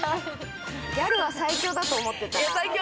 ギャルは最強だと思ってた。